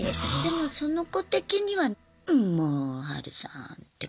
でもその子的には「んもうハルさん」って感じで済んだかな？